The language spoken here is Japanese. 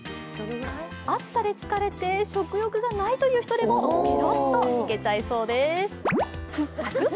暑さで疲れて食欲がないという人でもペロッといけちゃいそうです。